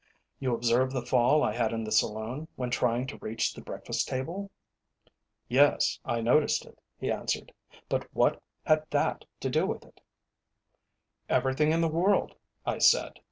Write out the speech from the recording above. "You observed the fall I had in the saloon, when trying to reach the breakfast table?" "Yes, I noticed it," he answered; "but what had that to do with it?" "Everything in the world," I said.